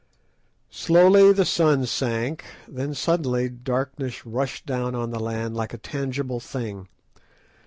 Slowly the sun sank, then suddenly darkness rushed down on the land like a tangible thing.